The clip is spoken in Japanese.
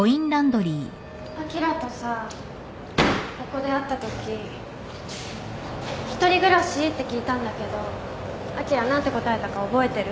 あきらとさここで会ったとき「一人暮らし？」って聞いたんだけどあきら何て答えたか覚えてる？